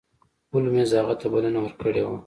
هولمز هغه ته بلنه ورکړې وه.